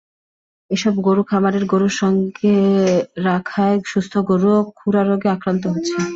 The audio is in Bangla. এসব গরু খামারের গরুর সঙ্গে রাখায় সুস্থ গরুও খুরারোগে আক্রান্ত হচ্ছে।